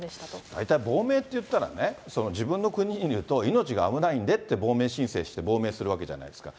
大体亡命っていったらね、自分の国にいると命が危ないんでって、亡命申請して亡命するわけじゃないですか。